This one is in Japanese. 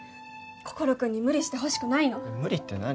心君に無理してほしくないの無理って何？